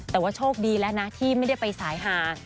แต่ว่าโชคดีแล้วนะที่ไม่ได้ไปสายหา